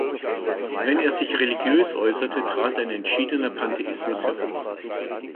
Wenn er sich religiös äußerte, trat ein entschiedener Pantheismus hervor.